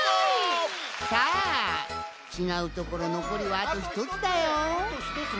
さあちがうところのこりはあとひとつだよ。